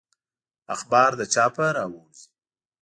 اخبار له چاپه راووزي.